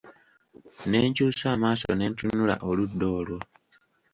Ne nkyusa amaaso ne ntunula oludda olwo.